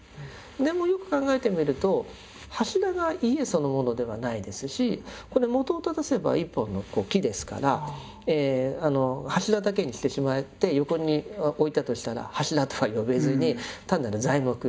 でもよく考えてみると柱が家そのものではないですしこれ本を正せば一本の木ですから柱だけにしてしまって横に置いたとしたら柱とは呼べずに単なる材木ですよね。